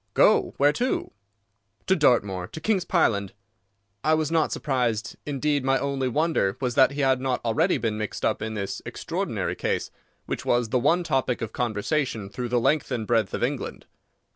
"Go! Where to?" "To Dartmoor; to King's Pyland." I was not surprised. Indeed, my only wonder was that he had not already been mixed up in this extraordinary case, which was the one topic of conversation through the length and breadth of England.